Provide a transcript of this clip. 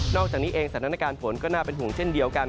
อกจากนี้เองสถานการณ์ฝนก็น่าเป็นห่วงเช่นเดียวกัน